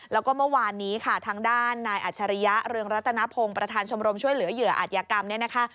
แล้วก็เมื่อวานนี้ค่ะทางด้านนายอัจฉริยะเรืองรัตนพงศ์ประธานชมรมช่วยเหลือเหยื่ออาจยากรรมเนี่ยนะคะ